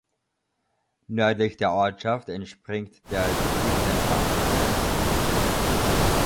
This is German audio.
Nördlich der Ortschaft entspringt der Dieffenbach.